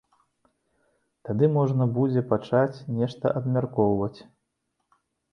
Тады можна будзе пачаць нешта абмяркоўваць.